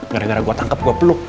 gara gara gue tangkap gue peluk